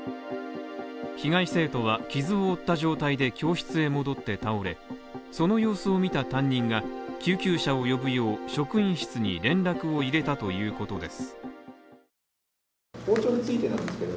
被害生徒は傷を負った状態で教室へ戻って倒れ、その様子を見た担任が救急車を呼ぶよう、職員室に連絡を入れたということです。